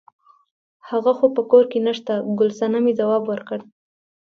هغه خو په کور کې نشته ګل صمنې ځواب ورکړ.